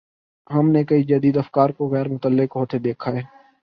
ہم نے کئی جدید افکار کو غیر متعلق ہوتے دیکھا ہے۔